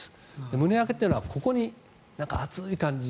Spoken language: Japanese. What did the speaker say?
胸焼けというのはここに熱い感じ